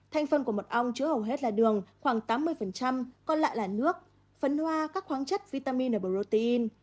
thành phần của mật ong chứa hầu hết là đường khoảng tám mươi còn lại là nước phấn hoa các khoáng chất vitamin và protein